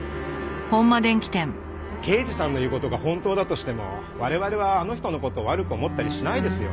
刑事さんの言う事が本当だとしても我々はあの人の事を悪く思ったりしないですよ。